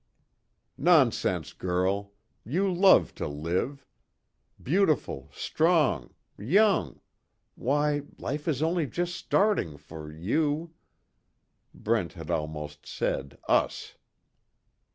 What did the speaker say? "Nonsense, girl! You love to live! Beautiful, strong, young why, life is only just starting for you." Brent had almost said "us."